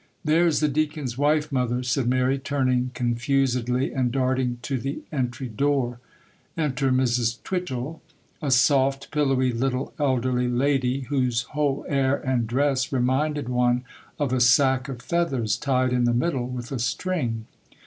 'There is the Deacon's wife, mother,' said Mary, turning confusedly, and darting to the entry door. Enter Mrs. Twitchel,—a soft, pillowy, little elderly lady, whose whole air and dress reminded one of a sack of feathers tied in the middle with a string.